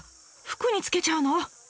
服につけちゃうの？